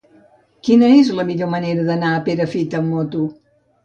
Quina és la millor manera d'anar a Perafita amb moto?